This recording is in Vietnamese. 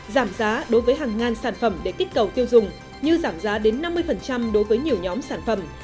giảm giá đối với hàng ngàn sản phẩm để kích cầu tiêu dùng như giảm giá đến năm mươi đối với nhiều nhóm sản phẩm